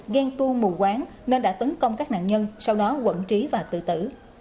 ghen tu mù quán nên đã tấn công các nạn nhân sau đó quẩn trí và tự tử